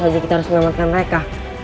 tentu saja kita harus menyelamatkan mereka